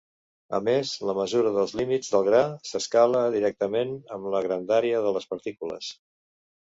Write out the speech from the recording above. A més, la mesura dels límits del gra s'escala directament amb la grandària de les partícules.